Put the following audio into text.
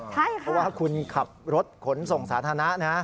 เพราะว่าคุณขับรถขนส่งสาธารณะนะ